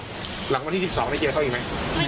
หลังวันที่๑๒ไม่เจอเขาอีกมั้ย